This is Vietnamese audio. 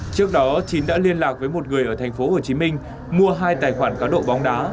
trước đó chín đã liên lạc với một người ở thành phố hồ chí minh mua hai tài khoản cá độ bóng đá